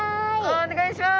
お願いします。